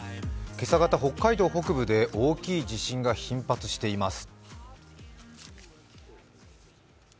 今朝方、北海道北部で大きい地震が頻発しています。